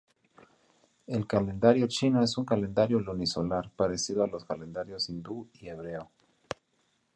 El calendario chino es un calendario lunisolar, parecido a los calendarios hindú y hebreo.